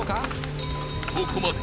［ここまで］